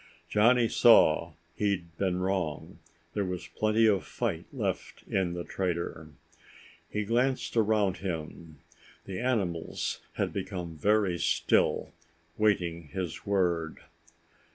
Johnny saw he'd been wrong. There was plenty of fight left in the trader. He glanced around him; the animals had become very still, waiting his word.